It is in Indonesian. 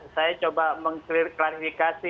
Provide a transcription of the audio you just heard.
saya coba mengklarifikasi